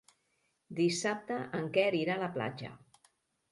Dissabte en Quer irà a la platja.